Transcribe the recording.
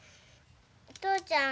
お父ちゃん